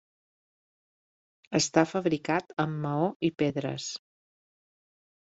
Està fabricat en maó i pedres.